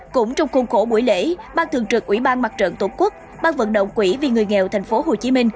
cũng trong khuôn khổ buổi lễ ban thường trực ubnd tổ quốc ban vận động quỹ vì người nghèo tp hcm